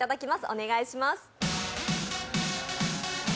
お願いします。